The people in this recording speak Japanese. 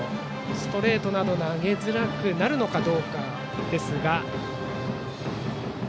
ストレートなど投げづらくなるのかどうか。